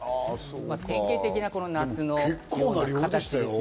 典型的な夏の形です。